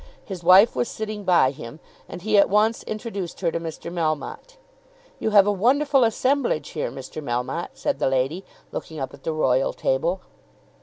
His wife was sitting by him, and he at once introduced her to Mr. Melmotte. "You have a wonderful assemblage here, Mr. Melmotte," said the lady, looking up at the royal table.